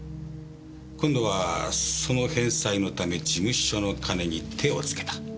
今度はその返済のため事務所の金に手をつけた。